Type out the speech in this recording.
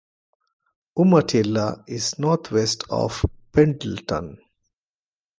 Umatilla is northwest of Pendleton.